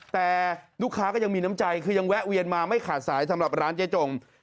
แต่ลูกค้าก็ยังมีน้ำใจคือยังแวะเวียนมาไม่ขาดสายสำหรับร้านเจ๊จง